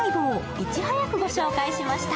いち早くご紹介しました。